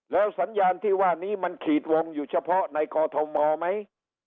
แล้วสัญญาณที่ว่านี้มันขีดวงอยู่เฉพาะในกอทมไหม